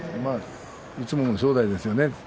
いつもの正代でしたね。